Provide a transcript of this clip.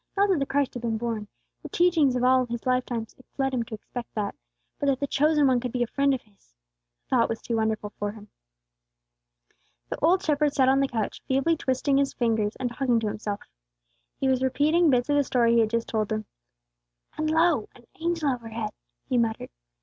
Not that the Christ had been born, the teachings of all his lifetime led him to expect that; but that the chosen One could be a friend of his, the thought was too wonderful for him. The old shepherd sat on the couch, feebly twisting his fingers, and talking to himself. He was repeating bits of the story he had just told them: "And, lo, an angel overhead!" he muttered.